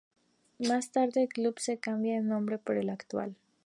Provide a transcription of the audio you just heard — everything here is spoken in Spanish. Más tarde el club se cambia el nombre por el actual.